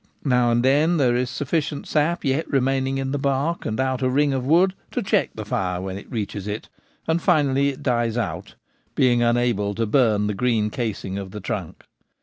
Now and then there is sufficient sap yet remaining in the bark and outer ring of wood to check the fire when it reaches it ; and finally it dies out, being unable to burn the green casing of the trunk.